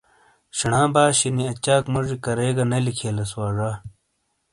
شینا باشینی اچاک موجی کریگہ نے لکھیئلیس وا زا۔